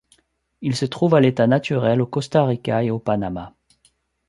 Il se trouve à l'état naturel au Costa Rica et au Panama.